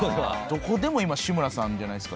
どこでも今志村さんじゃないですか。